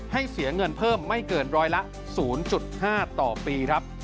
ให้เสียเงินเพิ่มไม่เกินร้อยละ๐๕ต่อปีครับ